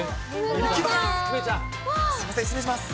すみません、失礼します。